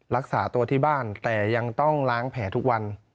รักษาตัวที่บ้านแต่ยังต้องล้างแผลทุกวัน